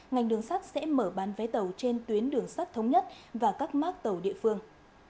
ngành đường sắt sẽ mở bán vé tàu trên tuyến đường sắt thống nhất và các mác tàu địa phương